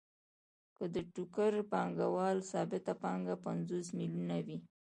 که د ټوکر پانګوال ثابته پانګه پنځوس میلیونه وي